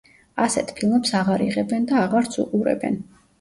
ასეთ ფილმებს აღარ იღებენ და აღარც უყურებენ.